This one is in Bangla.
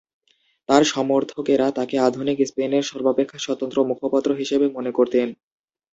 তার সমর্থকেরা তাকে আধুনিক স্পেনের সর্বাপেক্ষা স্বতন্ত্র মুখপত্র হিসেবে মনে করতেন।